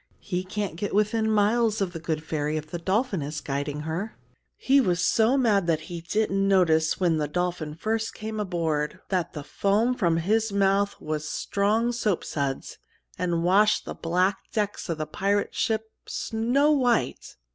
He can't get within miles of The Good Ferry if the dolphin is guiding her. He was so mad that he didn't notice when the dolphin first came aboard that the foam from his mouth was strong soapsuds, and washed the black decks of the pirate ship snow white."